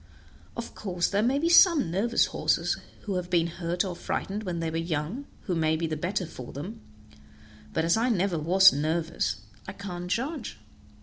Of course there may be some nervous horses who have been hurt or frightened when they were young, who may be the better for them; but as I never was nervous, I can't judge."